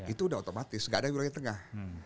itu udah otomatis gak ada wilayah tengah